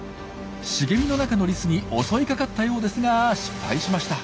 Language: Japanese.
茂みの中のリスに襲いかかったようですが失敗しました。